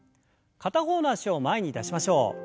片方の脚を前に出しましょう。